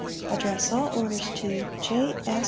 ADDRESS ALL ORDERS TO J. S.